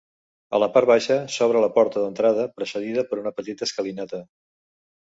A la part baixa s'obre la porta d'entrada precedida per una petita escalinata.